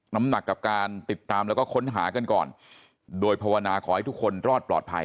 น้ำหนักกับการติดตามแล้วก็ค้นหากันก่อนโดยภาวนาขอให้ทุกคนรอดปลอดภัย